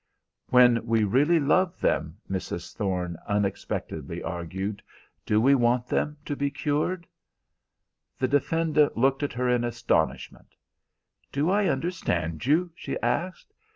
"When we really love them," Mrs. Thorne unexpectedly argued, "do we want them to be cured?" The defendant looked at her in astonishment, "Do I understand you?" she asked.